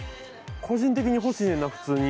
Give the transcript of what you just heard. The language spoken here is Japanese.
個人的に欲しいねんな普通に。